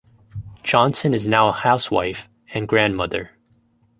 Johnson is now a housewife and grandmother.